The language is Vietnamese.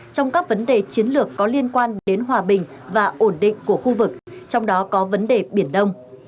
trong các vấn đề chiến lược có liên quan đến hòa bình và ổn định của khu vực trong đó có vấn đề biển đông